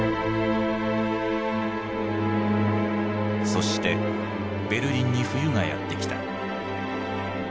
そしてベルリンに冬がやって来た。